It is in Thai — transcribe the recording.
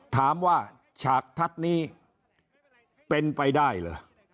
ถามว่าฉากทัดนี้ไปได้เหรอ